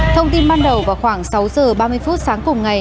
thông tin ban đầu vào khoảng sáu giờ ba mươi phút sáng cùng ngày